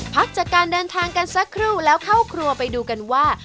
พักจากการเดินทางกันสักครู่แล้วเข้าครัวไปดูกันว่า